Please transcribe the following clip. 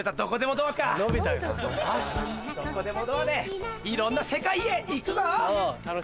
どこでもドアでいろんな世界へ行くぞ！